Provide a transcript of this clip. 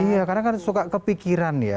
iya kadang kadang suka kepikiran ya